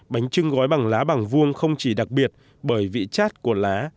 bánh trưng gói bằng lá bằng vuông không chỉ đặc biệt bởi vị chát của lá